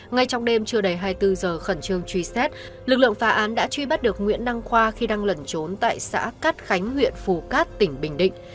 ngay trong đêm chưa đầy hai mươi bốn giờ khẩn trương truy xét lực lượng phá án đã truy bắt được nguyễn đăng khoa khi đang lẩn trốn tại xã cát khánh huyện phù cát tỉnh bình định